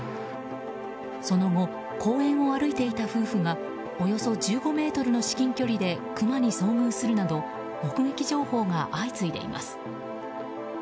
その後、公園を歩いていた夫婦がおよそ１５ｍの至近距離でクマに遭遇するなど目撃情報が相次いでいます。